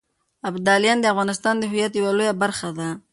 ابداليان د افغانستان د هویت يوه لويه برخه ده.